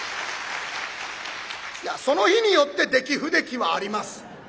いやその日によって出来不出来はあります。